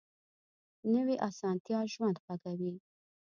نوې اسانتیا ژوند خوږوي